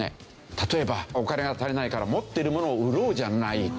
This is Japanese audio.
例えばお金が足りないから持ってるものを売ろうじゃないか。